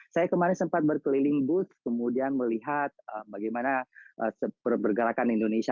saya kemarin sempat berkeliling booth kemudian melihat bagaimana pergerakan indonesia